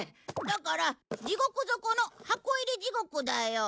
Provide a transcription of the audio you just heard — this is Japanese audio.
だから地獄底の箱入り地獄だよ。